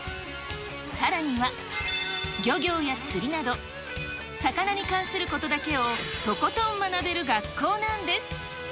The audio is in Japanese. さらには、漁業や釣りなど、魚に関することだけをとことん学べる学校なんです。